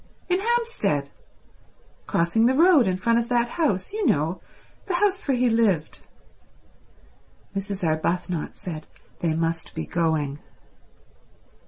"In Hampstead—crossing the road in front of that house—you know—the house where he lived—" Mrs. Arbuthnot said they must be going.